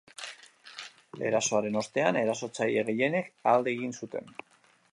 Erasoaren ostean, erasotzaile gehienek alde egin zuten.